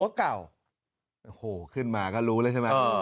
โอ้เก่าโอ้โหขึ้นมาก็รู้เลยใช่ไหมอ่า